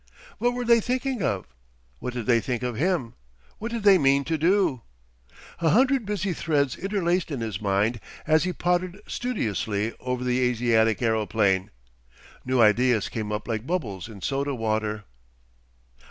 What were they thinking of? What did they think of him? What did they mean to do? A hundred busy threads interlaced in his mind as he pottered studiously over the Asiatic aeroplane. New ideas came up like bubbles in soda water.